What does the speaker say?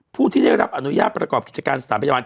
ผู้ที่ได้รับอนุญาตประกอบกิจการสถานพยาบาล